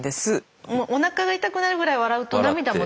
もうおなかが痛くなるぐらい笑うと涙も出ますね。